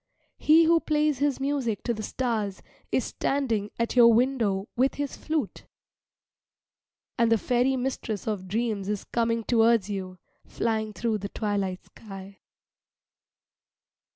He who plays his music to the stars is standing at your window with his flute. And the fairy mistress of dreams is coming towards you, flying through the twilight sky.